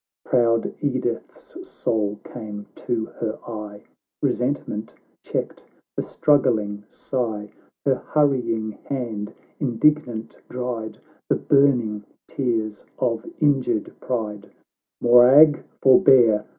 — IX Proud Edith's soul came to her eye, Resentment checked the struggling sigh, Her hurrying hand indignant dried The burning tears of injured pride —" Morag, forbear